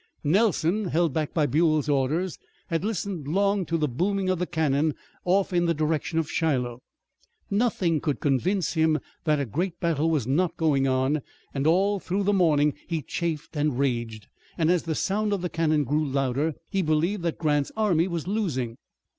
Nelson, held back by Buell's orders, had listened long to the booming of the cannon off in the direction of Shiloh. Nothing could convince him that a great battle was not going on, and all through the morning he chafed and raged. And as the sound of the cannon grew louder he believed that Grant's army was losing.